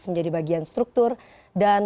menjadi bagian struktur dan